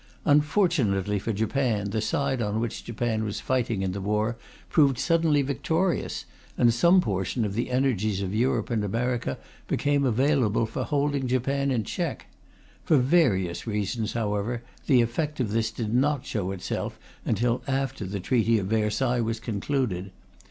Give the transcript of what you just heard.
Unfortunately for Japan, the side on which Japan was fighting in the war proved suddenly victorious, and some portion of the energies of Europe and America became available for holding Japan in check. For various reasons, however, the effect of this did not show itself until after the Treaty of Versailles was concluded.